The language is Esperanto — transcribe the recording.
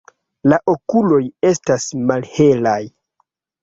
La okuloj estas malhelaj.